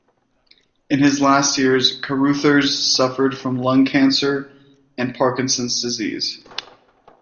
In his last years Carruthers suffered from lung cancer and Parkinson's disease.